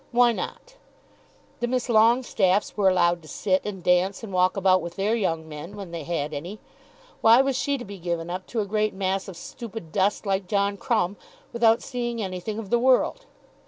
Why not? The Miss Longestaffes were allowed to sit and dance and walk about with their young men, when they had any. Why was she to be given up to a great mass of stupid dust like John Crumb, without seeing anything of the world?